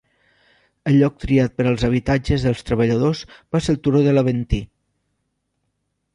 El lloc triat per als habitatges de treballadors va ser el turó de l'Aventí.